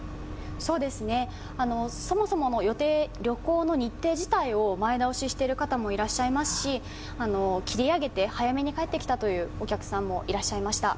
そもそもの旅行の日程自体を前倒しされてる方もいらっしゃいますし切り上げて早めに帰ってきたというお客さんもいらっしゃいました。